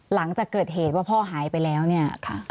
หลังจากเกิดเหตุว่าพ่อหายไปแล้วเนี่ย